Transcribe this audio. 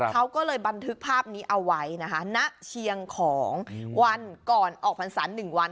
เขาก็เลยบันทึกภาพนี้เอาไว้นะคะณเชียงของวันก่อนออกพรรษา๑วัน